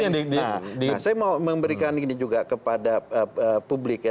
nah saya mau memberikan ini juga kepada publik ya